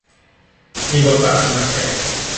มีบทบาทขึ้นมาแทน